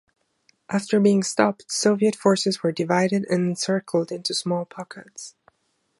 After being stopped, soviet forces were divided and encircled into small pockets.